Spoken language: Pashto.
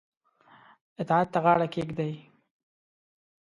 اطاعت ته غاړه کښيږدي.